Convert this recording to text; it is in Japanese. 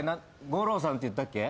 ゴロウさんって言ったっけ？